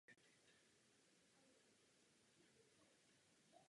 Předtím než se otevřela sloužila přes druhou světovou válku jako vojenská základna.